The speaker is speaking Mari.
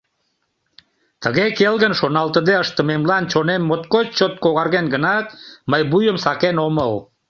Тыге келгын шоналтыде ыштымемлан чонем моткоч чот когарген гынат, мый вуйым сакен омыл.